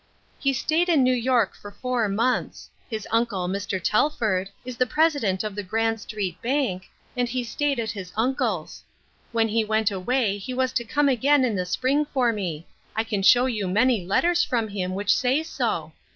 He stayed in New York for four months ; his uncle, Mr. Tel ford, is the president of the Grand Street Bank, and he stayed at his uncle's. When he went away he was to come again in the spring for me ; I can show you many letters from him which say so.